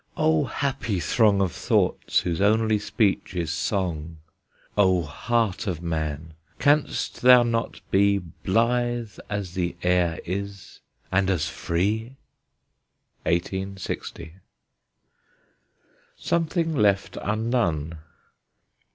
O happy throng Of thoughts, whose only speech is song! O heart of man! canst thou not be Blithe as the air is, and as free? 1860. SOMETHING LEFT UNDONE.